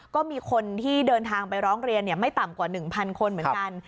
ก็มีคนที่เดินทางไปร้องเรียนไม่ต่ำกว่า๑๐๐คนเหมือนกัน